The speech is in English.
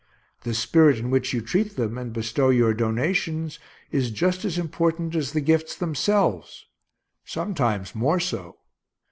The spirit in which you treat them, and bestow your donations, is just as important as the gifts themselves; sometimes more so.